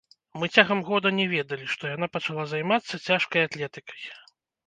Мы цягам года не ведалі, што яна пачала займацца цяжкай атлетыкай.